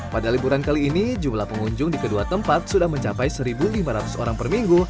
pada liburan kali ini jumlah pengunjung di kedua tempat sudah mencapai satu lima ratus orang per minggu